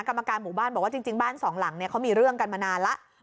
กรรมการหมู่บ้านบอกว่าจริงบ้านสองหลังเนี่ยเขามีเรื่องกันมานานแล้ว